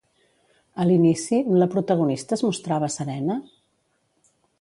A l'inici, la protagonista es mostrava serena?